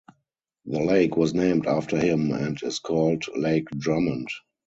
The lake was named after him, and is called Lake Drummond.